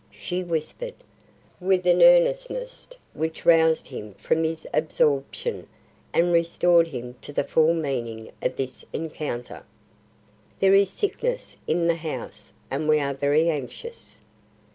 she whispered, with an earnestness which roused him from his absorption and restored him to the full meaning of this encounter. "There is sickness in the house and we are very anxious.